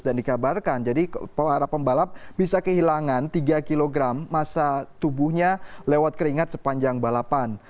dan dikabarkan jadi para pembalap bisa kehilangan tiga kg masa tubuhnya lewat keringat sepanjang balapan